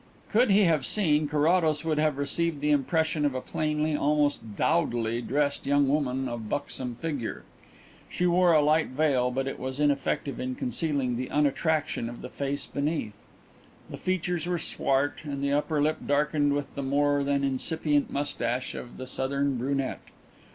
Could he have seen, Carrados would have received the impression of a plainly, almost dowdily, dressed young woman of buxom figure. She wore a light veil, but it was ineffective in concealing the unattraction of the face beneath. The features were swart and the upper lip darkened with the more than incipient moustache of the southern brunette.